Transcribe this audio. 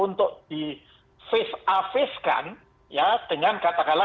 untuk di face a face kan ya dengan katakanlah